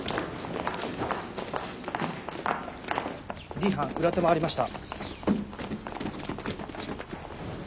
Ｄ班裏手回りました。